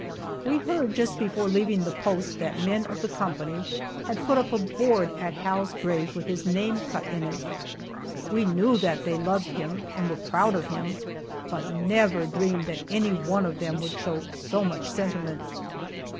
We heard just before leaving the post that men of the company had put up a board at Hal's grave with his name cut in it. We knew that they loved him and were proud of him, but never dreamed that any one of them would show so much sentiment.